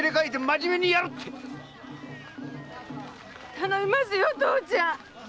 頼みますよ父ちゃん！